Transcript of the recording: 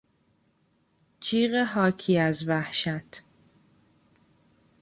جیغ حاکی از وحشت